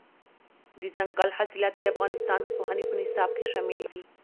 دځنګل حاصلات د افغانستان د پوهنې په نصاب کې شامل دي.